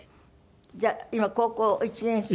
じゃあ今高校１年生？